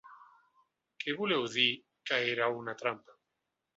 Què voleu dir, que era una trampa?